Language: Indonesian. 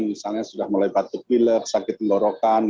misalnya sudah melepat tepiler sakit menggorokan